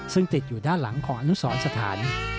ซึ่งติดอยู่ด้านหลังของอนุสรสถาน